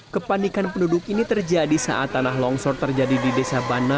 kepanikan penduduk ini terjadi saat tanah longsor terjadi di desa banaran kecamatan pulung ponorogo